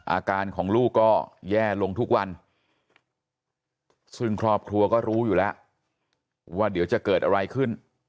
อาการของลูกก็แย่ลงทุกวันซึ่งครอบครัวก็รู้อยู่แล้วว่าเดี๋ยวจะเกิดอะไรขึ้น